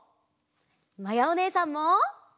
まやおねえさんも。